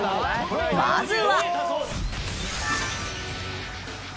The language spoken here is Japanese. まずは。